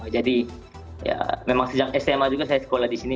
jadi ya memang sejak sma juga saya sekolah di sini